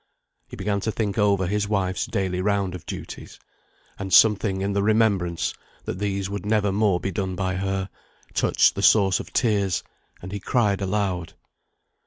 He began to think over his wife's daily round of duties; and something in the remembrance that these would never more be done by her, touched the source of tears, and he cried aloud.